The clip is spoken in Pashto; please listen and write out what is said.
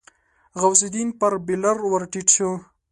غوث الدين پر بېلر ور ټيټ شو.